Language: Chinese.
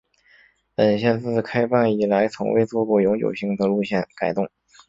本线自开办以来从未做过永久性的路线改动。